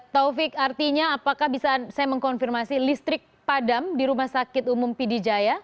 taufik artinya apakah bisa saya mengkonfirmasi listrik padam di rumah sakit umum pd jaya